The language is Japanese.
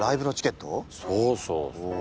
そうそうそう。